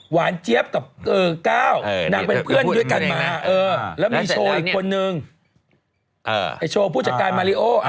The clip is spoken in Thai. เจี๊ยบกับก้าวนางเป็นเพื่อนด้วยกันมาแล้วมีโชว์อีกคนนึงไอ้โชว์ผู้จัดการมาริโอ